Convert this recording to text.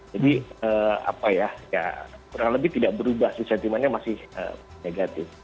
jadi apa ya kurang lebih tidak berubah sih sentimennya masih negatif